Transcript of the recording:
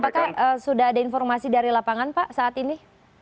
apakah sudah ada informasi dari lapangan pak saat ini